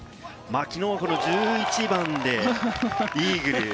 きのう１１番でイーグル。